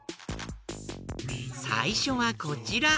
さいしょはこちら。